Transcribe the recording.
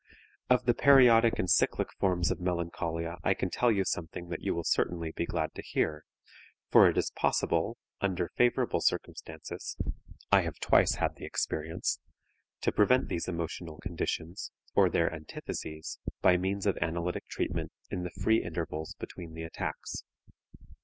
Of the periodic and cyclic forms of melancholia I can tell you something that you will certainly be glad to hear, for it is possible, under favorable circumstances I have twice had the experience to prevent these emotional conditions (or their antitheses) by means of analytic treatment in the free intervals between the attacks.